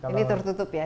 ini tertutup ya